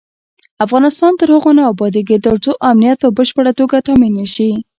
افغانستان تر هغو نه ابادیږي، ترڅو امنیت په بشپړه توګه تامین نشي.